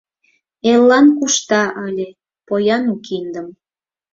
Эллан кушта ыле поян у киндым.